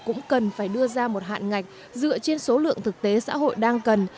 cũng cần phải đưa ra một hạn ngạch dựa trên số lượng thực tế xã hội đang cần